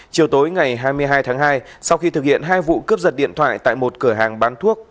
chiều tối ngày hai mươi hai tháng hai sau khi thực hiện hai vụ cướp giật điện thoại tại một cửa hàng bán thuốc